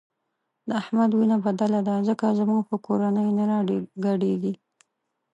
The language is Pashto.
د احمد وینه بدله ده ځکه زموږ په کورنۍ نه راګډېږي.